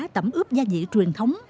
tẩm ướp gia vị truyền thống